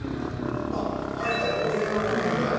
はいはいお部屋の名前が。